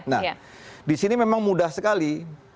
nah di sini memang mudah sekali